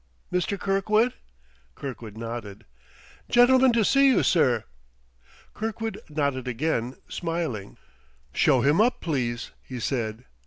"Mister Kirkwood?" Kirkwood nodded. "Gentleman to see you, sir." Kirkwood nodded again, smiling. "Show him up, please," he said.